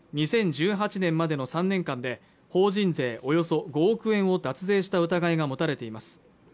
２０１８年までの３年間で法人税およそ５億円を脱税した疑いが持たれています